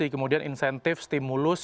kemudian insentif stimulus